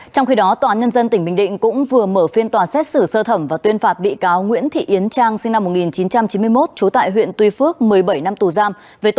trong khi đó tòa án nhân dân tỉnh bình định cũng vừa mở phiên tòa xét xử sơ thẩm và tuyên phạt bị cáo nguyễn thị yến trang sinh năm một nghìn chín trăm chín mươi một trú tại huyện tuy phước một mươi bảy năm tù giam